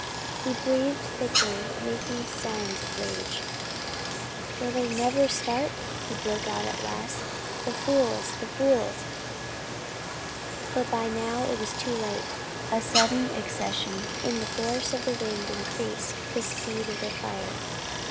He breathed thickly, making sounds of rage. "Will they never start?" he broke out at last. "The fools the fools!" But by now it was too late. A sudden accession in the force of the wind increased the speed of the fire.